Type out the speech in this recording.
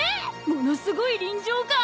ものすごい臨場感。